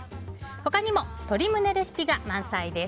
他にも鶏胸レシピが満載です。